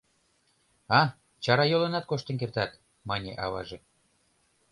— А, чарайолынат коштын кертат, — мане аваже.